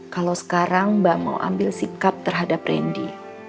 kalau sekarang mbak mau ambil sikap terhadap randy